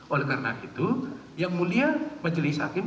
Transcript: oleh karena itu yang mulia majelis hakim